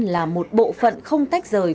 là một bộ phận không tách rời